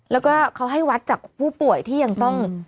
แล้วก็เขาให้วัดจากผู้ป่วยที่ยังต้อง